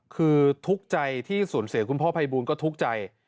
คือทุกข์ใจที่สูญเสียคุณพ่อภัยบูลก็ทุกข์ใจ